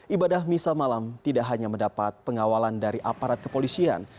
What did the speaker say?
ibadah misal malam tidak hanya mendapat pengawalan dari aparat kepolisian